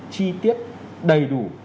chi tiết đầy đủ